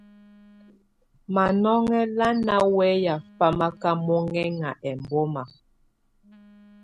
Manɔŋɔ lá ná wɛya famaka mɔŋɛŋa ɛmbɔma.